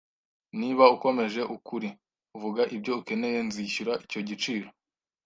Niba ukomeje ukuri vuga ibyo ukeneye nzishyura icyo giciro